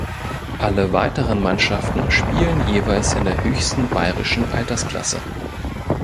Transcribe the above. Alle weiteren Mannschaften spielen jeweils in der höchsten bayrischen Altersklasse.